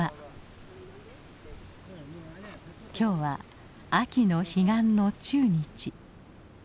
今日は秋の彼岸の中日。